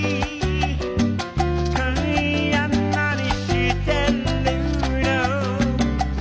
「今夜なにしてるの？」